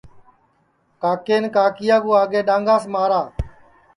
کاکین کاکِیا کُو آگے ڈؔانگاس مارا